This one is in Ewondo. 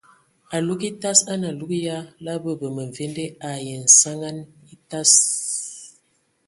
Alug etas a nə alug ya la bəbə məmvende ai nsanəŋa atas.